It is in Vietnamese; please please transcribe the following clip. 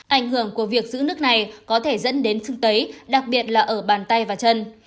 ảnh hưởng của việc giữ nước này có thể dẫn đến sưng tấy đặc biệt là ở bàn tay và chân